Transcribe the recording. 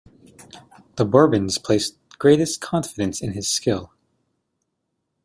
The Bourbons placed the greatest confidence in his skill.